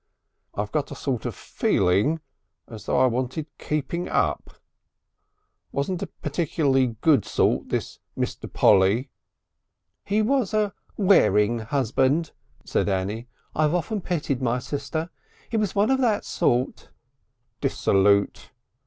I've got a sort of feeling . As though I wanted keeping up.... Wasn't particularly good sort, this Mr. Polly?" "He was a wearing husband," said Annie. "I've often pitied my sister. He was one of that sort " "Dissolute?"